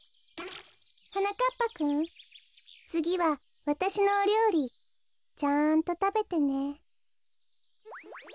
はなかっぱくんつぎはわたしのおりょうりちゃんとたべてね。